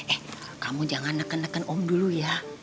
eh kamu jangan neken neken om dulu ya